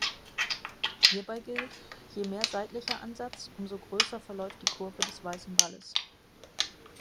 Hierbei gilt: Je mehr seitlicher Ansatz, umso größer verläuft die Kurve des weißen Balles.